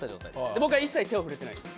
僕は一切手を触れていないです。